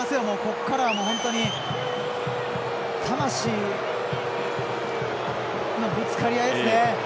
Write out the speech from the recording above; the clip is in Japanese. ここからは本当に魂のぶつかり合いですね。